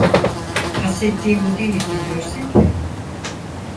Kastettiğim bu değil biliyorsun ki.